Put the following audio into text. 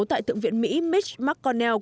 tại tượng viện mỹ mitch mcconnell